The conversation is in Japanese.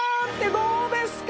どうですか？